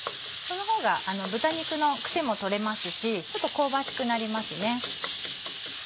そのほうが豚肉のクセも取れますしちょっと香ばしくなりますね。